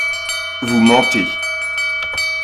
Vous mentez